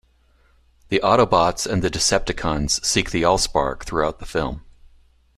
The Autobots and the Decepticons seek the AllSpark throughout the film.